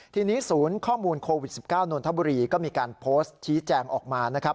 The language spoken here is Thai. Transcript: ทีนี้ศูนย์ข้อมูลโควิด๑๙นนทบุรีก็มีการโพสต์ชี้แจงออกมานะครับ